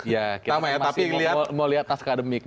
ya kita masih mau lihat askademik